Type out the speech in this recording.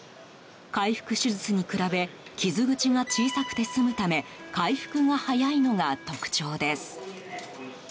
開腹手術に比べ傷口が小さくて済むため回復が早いのが特徴です。